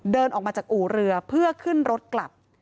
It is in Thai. เดินออกมาจากอู่เรือเพื่อขึ้นรถกลับ